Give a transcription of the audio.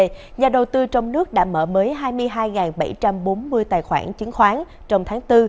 trong tháng bốn nhà đầu tư cá nhân mở mới hai mươi hai bảy trăm bốn mươi tài khoản chiến khoán